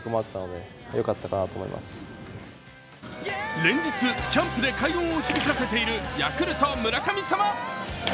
連日、キャンプで快音を響かせているヤクルト・村神様。